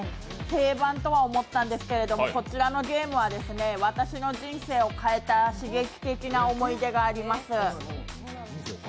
定番とは思ったんですけれども、こちらのゲームは私の人生を変えた刺激的な思い出があります。